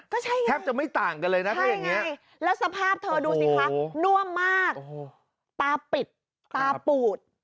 ก็ใช่ไงใช่ไงแล้วสภาพเธอดูสิคะน่วมมากตาปิดตาปูด